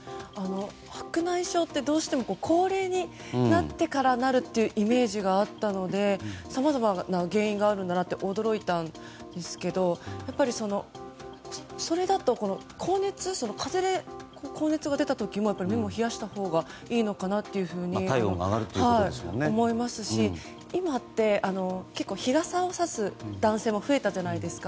白内障ってどうしても高齢になってからなるというイメージがあったのでさまざまな原因があるんだなと驚いたんですけどやっぱりそれだと風邪で高熱が出た時も目を冷やしたほうがいいのかなというふうに思いますし今って結構、日傘をさす男性も増えたじゃないですか。